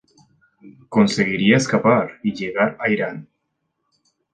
Conseguiría escapar y llegar a Irán.